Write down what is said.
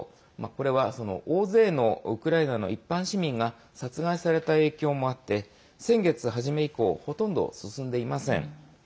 これは大勢のウクライナの一般市民が殺害された影響もあって先月初め以降ほとんど進んでいません。